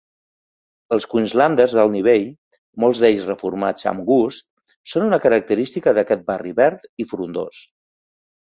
Els Queenslanders d'alt nivell, molts d'ells reformats amb gust, són una característica d'aquest barri verd i frondós.